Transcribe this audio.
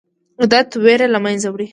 عادت ویره له منځه وړي.